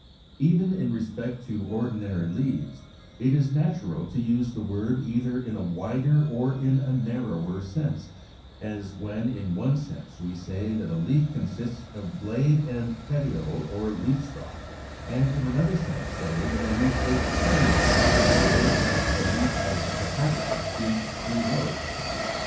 Even in respect to ordinary leaves, it is natural to use the word either in a wider or in a narrower sense; as when in one sense we say that a leaf consists of blade and petiole or leaf stalk, and in another sense say that a leaf is petioled, or that the leaf of Hepatica is three lobed.